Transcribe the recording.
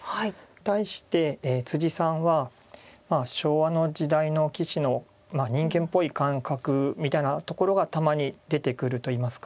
対してさんは昭和の時代の棋士の人間っぽい感覚みたいなところがたまに出てくるといいますか。